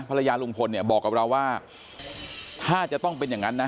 ภรรยาลุงพลเนี่ยบอกกับเราว่าถ้าจะต้องเป็นอย่างนั้นนะ